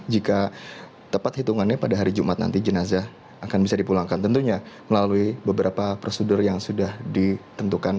jika tepat hitungannya pada hari jumat nanti jenazah akan bisa dipulangkan tentunya melalui beberapa prosedur yang sudah ditentukan